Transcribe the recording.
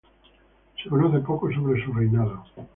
Se conoce poco sobre su reinado.